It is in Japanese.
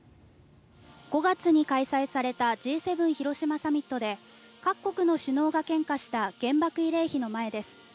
５月に開催されたＧ７広島サミットで各国の首脳が献花した原爆慰霊碑の前です。